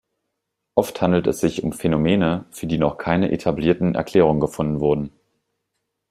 Oft handelt es sich um Phänomene, für die noch keine etablierten Erklärungen gefunden wurden.